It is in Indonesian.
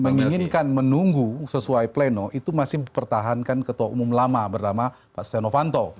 menginginkan menunggu sesuai pleno itu masih mempertahankan ketua umum lama bernama pak setia novanto